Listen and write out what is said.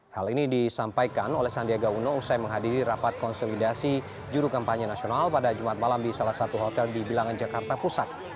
hal ini disampaikan oleh sandiaga uno usai menghadiri rapat konsolidasi juru kampanye nasional pada jumat malam di salah satu hotel di bilangan jakarta pusat